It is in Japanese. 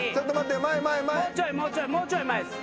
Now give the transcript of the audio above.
もうちょいもうちょいもうちょい前です。